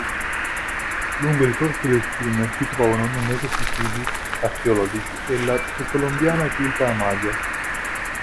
Lungo il corso del fiume si trovano numerosi siti archeologici della precolombiana civiltà Maya.